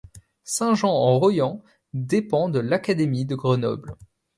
Saint-Jean-en-Royans dépend de l'académie de Grenoble.